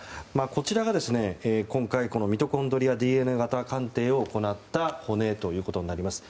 こちらが、今回ミトコンドリアＤＮＡ型鑑定を行った骨となります。